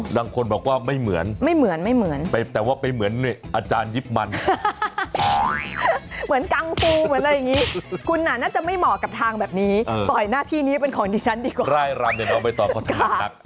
หลังคนบอกว่าไม่เหมือนไม่เหมือนไม่เหมือนไปแต่ว่าไปเหมือนเนี้ยอาจารย์ยิบมันเหมือนกังฟูเหมือนอะไรอย่างงี้คุณอ่าน่าจะไม่เหมาะกับทางแบบนี้เออปล่อยหน้าที่นี้เป็นของที่ฉันดีกว่าได้รับเดี๋ยวเอาไปต่อค่ะ